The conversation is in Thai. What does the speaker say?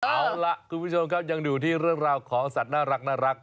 เอาล่ะคุณผู้ชมครับยังอยู่ที่เรื่องราวของสัตว์น่ารัก